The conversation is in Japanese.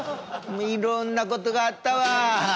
いろんなことがあったわ。